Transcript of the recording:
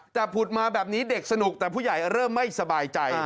แต่ผุดมาแบบนี้เด็กสนุกแต่ผู้ใหญ่เริ่มไม่สบายใจ